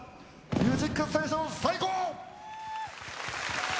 「ミュージックステーション」最高！